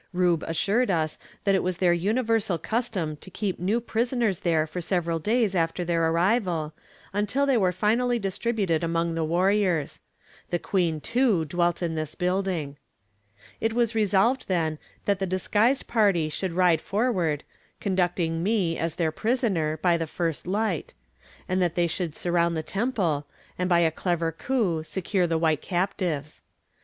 Rube assured us that it was their universal custom to keep new prisoners there for several days after their arrival, until they were finally distributed among the warriors. The queen, too, dwelt in this building. It was resolved, then, that the disguised party should ride forward, conducting me, as their prisoner, by the first light; and that they should surround the temple, and by a clever coup secure the white captives.